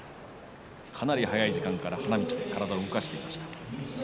かなり早い時間から花道で体を動かしていました。